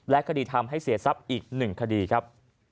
และคดีทำให้เสียซับอีก๑คดีครับ